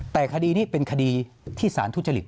แต่คดีนี้เป็นคดีที่สารทุจริต